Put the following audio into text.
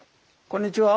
こんにちは。